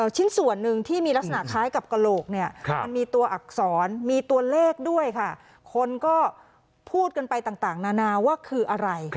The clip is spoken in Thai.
ชิ้นส่วนหนึ่งที่มีลักษณะคล้ายกับกระโหลกเนี่ยมันมีตัวอักษรมีตัวเลขด้วยค่ะคนก็พูดกันไปต่างนานาว่าคืออะไร